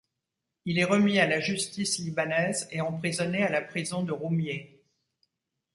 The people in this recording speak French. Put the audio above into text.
Il est remis à la justice libanaise et emprisonné à la prison de Roumieh.